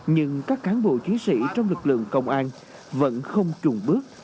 nhưng các cán bộ chiến sĩ trong lực lượng công an vẫn không trùng bước